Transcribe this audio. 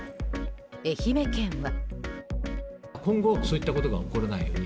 愛媛県は。